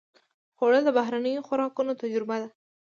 خوړل د بهرنیو خوراکونو تجربه ده